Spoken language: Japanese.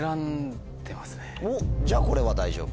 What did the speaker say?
おっじゃあこれは大丈夫。